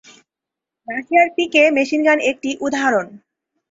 Russian PK machine gun একটি উদাহরণ।